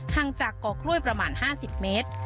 ห่างจากก่อกล้วยประมาณ๕๐เมตร